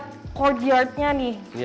lihat courtyardnya nih